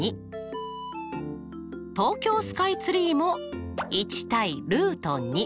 東京スカイツリーも１対。